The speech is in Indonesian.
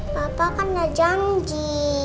papa kan gak janji